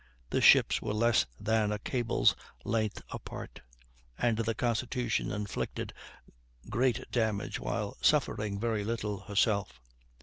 The ships were less than a cable's length apart, and the Constitution inflicted great damage while suffering very little herself.